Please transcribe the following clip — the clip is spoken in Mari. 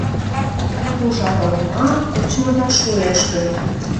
Ужар олма кочмыда шуэш гын